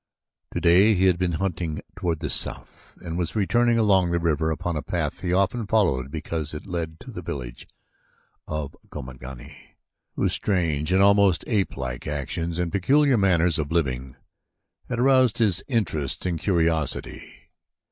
Today he had been hunting toward the south and was returning along the river upon a path he often followed because it led by the village of the Gomangani whose strange and almost apelike actions and peculiar manners of living had aroused his interest and curiosity.